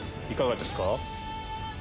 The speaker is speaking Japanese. いかがですか？